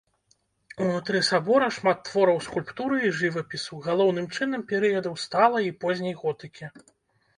Унутры сабора шмат твораў скульптуры і жывапісу, галоўным чынам перыядаў сталай і позняй готыкі.